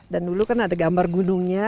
dan dulu kan ada gambar gunungnya